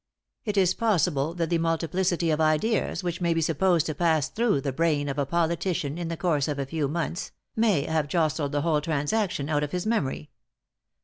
It is possible that the multiplicity of ideas, which may be supposed to pass through the brain of a politician in the course of a few months, may have jostled the whole transaction out of his memory.